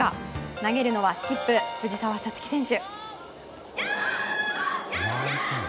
投げるのはスキップ藤澤五月選手。